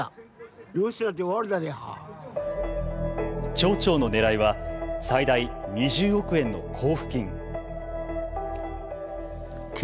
町長のねらいは最大２０億円の交付金。